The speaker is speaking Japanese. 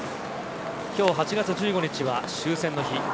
今日、８月１５日は終戦の日。